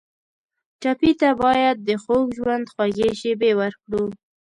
ټپي ته باید د خوږ ژوند خوږې شېبې ورکړو.